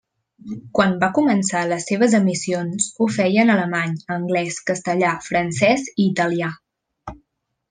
Quan va començar les seves emissions ho feia en alemany, anglès, castellà, francès i italià.